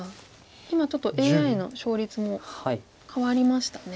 今ちょっとＡＩの勝率も変わりましたね。